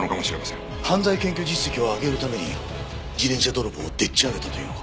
犯罪検挙実績を上げるために自転車泥棒をでっち上げたと言うのか？